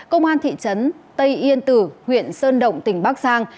công an thị trấn tây yên tử huyện sơn động tỉnh bắc giang